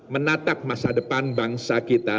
menatap masa depan bangsa kita